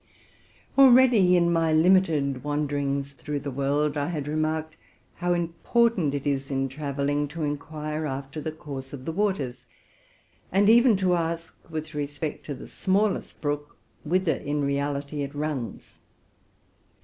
Already, in my limited wanderings through the world, I had remarked how important it is in trav elling to ascertain the course of the waters, and even to ask with respect to the smallest brook, whither in reality it runs.